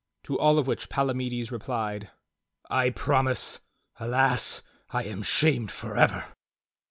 To all of which Palamides replied: "I promise; alas! I am shamed forever!"